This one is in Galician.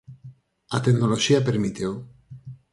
A tecnoloxía permíteo.